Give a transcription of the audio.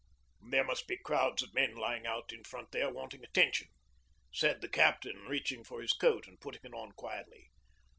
'There must be crowds of men lying out in front there wanting attention,' said the captain, reaching for his coat and putting it on quietly.